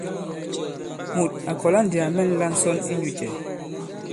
Mùt à kɔ̀la ndī à mɛ̂nla ǹsɔn inyū cɛ ?